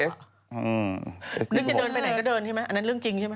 นึกจะเดินไปไหนก็เดินใช่ไหมอันนั้นเรื่องจริงใช่ไหม